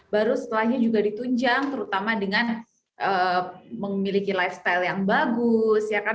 baru setelahnya juga ditunjang terutama dengan memiliki lifestyle yang bagus